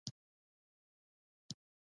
ګل د عطر بوی لري.